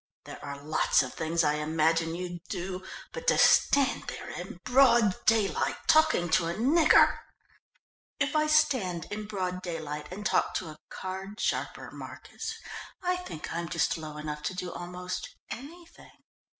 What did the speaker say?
"There are lots of things I imagine you'd do, but to stand there in broad daylight talking to a nigger " "If I stand in broad daylight and talk to a card sharper, Marcus, I think I'm just low enough to do almost anything."